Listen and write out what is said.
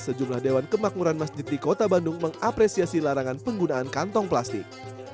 sejumlah dewan kemakmuran masjid di kota bandung mengapresiasi larangan penggunaan kantong plastik